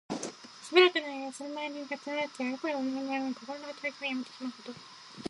しばらくの間その場に立ち止まって、あれこれ思いなやみ、こころのはたらきをやめてしまうこと。